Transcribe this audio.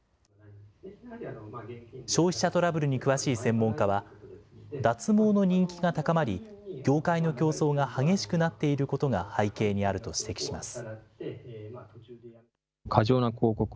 消費者トラブルに詳しい専門家は、脱毛の人気が高まり、業界の競争が激しくなっていることが背景にあると指摘します。